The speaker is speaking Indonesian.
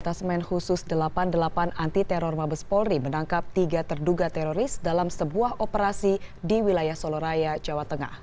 tasmen khusus delapan puluh delapan anti teror mabes polri menangkap tiga terduga teroris dalam sebuah operasi di wilayah soloraya jawa tengah